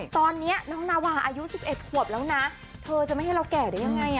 ตอนนี้น้องนาวาอายุ๑๑ขวบแล้วนะเธอจะไม่ให้เราแก่ได้ยังไง